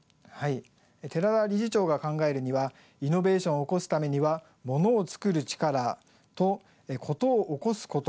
寺田理事長が考えるにはイノベーションを起こすためには「モノを作る力」と「コトを起こすこと」